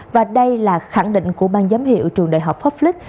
và đây là khẳng định của bang giám hiệu trường đại học hockflick